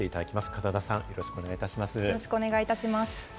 片田さん、よろしくお願いいたします。